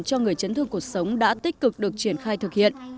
cho người chấn thương cuộc sống đã tích cực được triển khai thực hiện